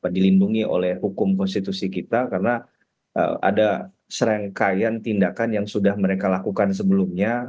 dilindungi oleh hukum konstitusi kita karena ada serangkaian tindakan yang sudah mereka lakukan sebelumnya